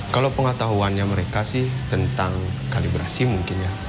kalau pengetahuannya mereka sih tentang kalibrasi mungkin ya